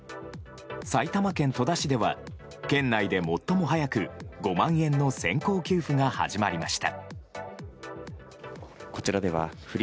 埼玉県戸田市では県内で最も早く５万円の先行給付が始まりました。